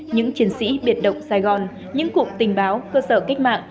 những chiến sĩ biệt động sài gòn những cụm tình báo cơ sở cách mạng